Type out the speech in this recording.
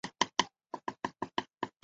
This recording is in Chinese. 卡伦山。